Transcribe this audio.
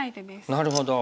なるほど。